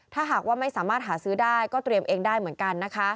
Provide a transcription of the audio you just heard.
ถ้าหากว่าไม่สามารถหาซื้อได้ก็เตรียมเองได้เหมือนกันนะคะ